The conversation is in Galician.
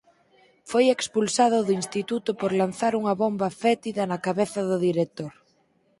Foi expulsado do instituto por lanzar unha bomba fétida na cabeza do director.